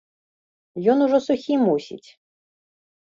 Ён ужо сухі, мусіць.